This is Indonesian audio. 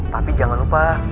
tapi jangan lupa